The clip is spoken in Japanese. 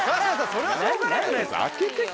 それはしょうがなくないですか？